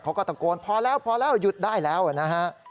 เขาก็ตะโกนพอแล้วพอแล้วหยุดได้แล้วนะฮะ